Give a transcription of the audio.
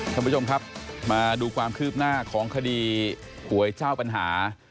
ท่านผู้ชมครับมาดูความคืบหน้าของคดีหวยเจ้าปัญหา